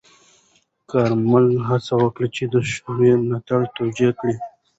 کارمل هڅه وکړه چې د شوروي ملاتړ توجیه کړي.